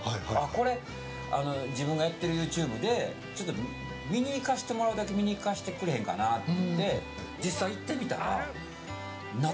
これ自分がやってるＹｏｕＴｕｂｅで見に行かせてもらうだけ見に行かせてくれへんかなって。